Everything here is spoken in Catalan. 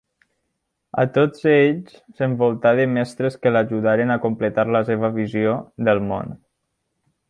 A tots ells s'envoltà de mestres que l'ajudaren a completar la seva visió del món.